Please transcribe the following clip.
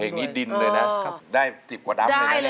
เมื่อกีดนี้ดินเลยนะได้๑๐กว่าดัม